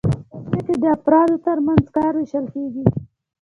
په دې کې د افرادو ترمنځ کار ویشل کیږي.